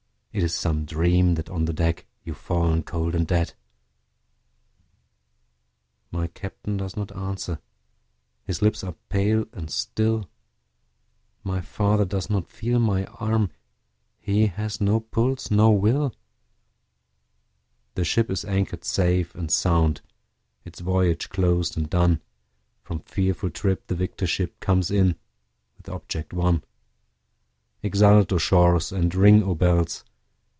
It is some dream that on the deck, You've fallen cold and dead. My Captain does not answer, his lips are pale and still, My father does not feel my arm, he has no pulse nor will, The ship is anchor'd safe and sound, its voyage closed and done, From fearful trip the victor ship comes in with object won; Exult O shores, and ring O bells!